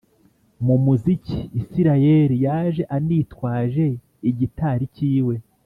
mu muziki, Israel yaje anitwaje igitari cyiwe